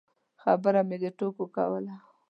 خبره مې د ټوکو کوله.